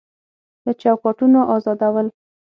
له چوکاټونو ازادول